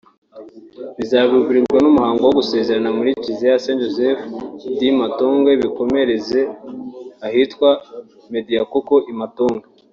Buzabimburirwa n’umuhango wo gusezerana muri Kiliziya ya Saint-Joseph de Matongé bikomereze ahitwa Madiakoko i Matongé